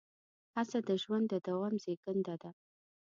هڅه د ژوند د دوام زېږنده ده.